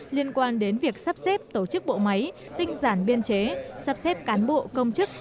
liên quan đến việc sắp xếp tổ chức bộ máy tinh giản biên chế sắp xếp cán bộ công chức